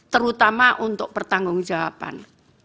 terutama untuk pertanggung jawaban